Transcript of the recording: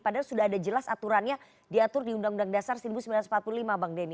padahal sudah ada jelas aturannya diatur di undang undang dasar seribu sembilan ratus empat puluh lima bang denny